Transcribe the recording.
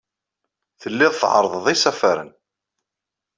Telliḍ tɛerrḍeḍ isafaren.